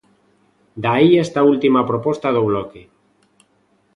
De aí esta última proposta do Bloque.